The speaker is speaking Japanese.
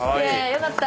よかった。